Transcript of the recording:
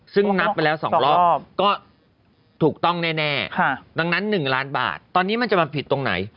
ซึ่งนับไปแล้ว๒รอบก็ถูกต้องแน่ดังนั้น๑ล้านบาทตอนนี้มันจะมาผิดตรงไหน